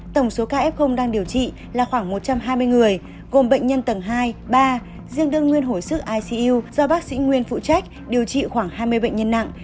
tổng số ca f đang điều trị là khoảng một trăm hai mươi người gồm bệnh nhân tầng hai ba riêng đương nguyên hồi sức icu do bác sĩ nguyên phụ trách điều trị khoảng hai mươi bệnh nhân nặng